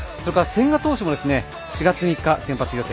千賀投手も４月３日、先発予定。